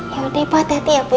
ya udah ibu hati hati ya bu ya